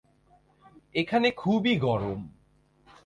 এখানে খুবই গরম!